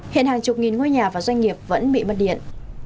hiện hàng chục nghìn ngôi nhà và doanh nghiệp vẫn bị mất điện